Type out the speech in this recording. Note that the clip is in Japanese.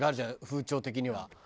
風潮的には。